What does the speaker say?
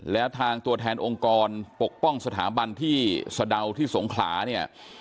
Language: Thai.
แล้วทางตัวแทนองค์กรปกป้องสถาบันที่สะดาวที่สงขลาเนี่ย